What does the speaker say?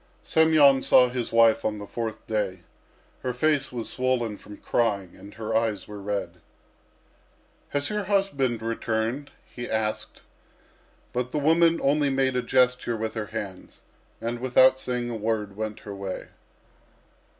Semyon saw his wife on the fourth day. Her face was swollen from crying and her eyes were red. "Has your husband returned?" he asked. But the woman only made a gesture with her hands, and without saying a word went her way.